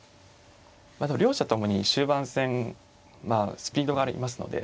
でも両者ともに終盤戦スピードがありますので。